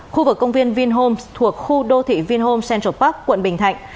khu vực công viên vinhomes thuộc khu đô thị vinhomes central park quận bình thạnh